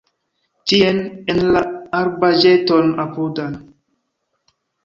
Tien, en la arbaĵeton apudan.